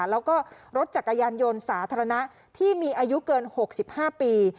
แล้วก็รถจักรยานยนต์สาธารณะที่มีอายุเกิน๖๕ปี